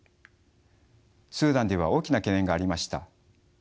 スーダンでは大きな懸念がありました。